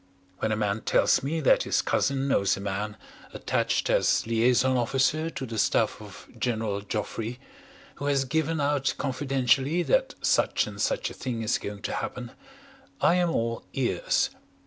When a man tells me that his cousin knows a man attached as liaison officer to the staff of General Joffre, who has given out confidentially that such and such a thing is going to happen I am all ears.